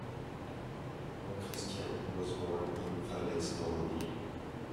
Montchrestien was born in Falaise, Normandy.